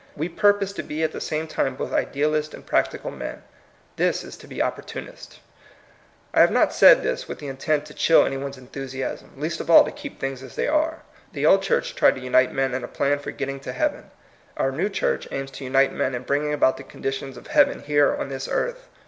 We purpose to be at the same time both idealists and practical men ; this is to be ^^opportunists." I have not said this with the intent to chill any one's enthusiasm, least of all to keep things as they are. The old church tried to unite men in a plan for getting to heaven. Our new church aims to unite men in bringing about the conditions of heaven here on this earth.